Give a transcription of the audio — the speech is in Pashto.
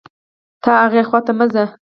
ته هاغې خوا ته مه ځه